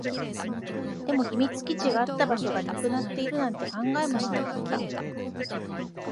でも、秘密基地があった場所がなくなっているなんて考えもしなかった